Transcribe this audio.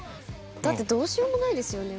だってどうしようもないですよね